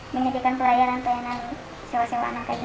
menyediakan pelayanan pelayanan sewa sewa anak tadi